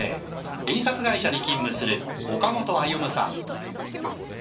印刷会社に勤務する岡本歩さん。